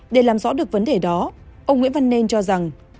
để làm rõ được vấn đề đó ông nguyễn văn nên cho rằng